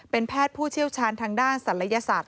เป็นแพทย์ผู้เชี่ยวชาญทางด้านศัลยศาสต